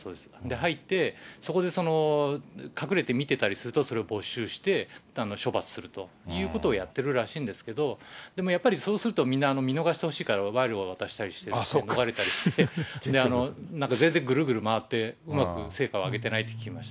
入って、そこで隠れて見てたりするとそれを没収して、処罰するということをやってるらしいんですけど、でもやっぱりそうすると、みんな見逃してほしいから、賄賂を渡したりして、逃れたりして、それで全然ぐるぐる回って、うまく成果を上げてないって聞きました。